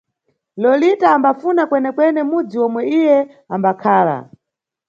Lolita ambafuna kwenekwene mudzi omwe iye ambakhala.